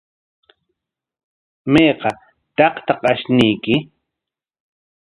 ¿Mayqa kaqtaq ashnuyki?